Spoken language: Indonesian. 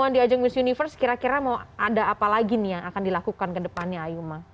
jadi top dua puluh satu di ajang miss universe kira kira mau ada apa lagi nih yang akan dilakukan ke depannya ayuma